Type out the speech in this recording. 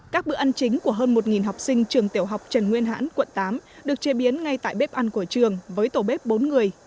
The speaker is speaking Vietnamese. các bữa ăn chính của hơn một học sinh trường tiểu học trần nguyên hãn quận tám được chế biến ngay tại bếp ăn của trường với tổ bếp bốn người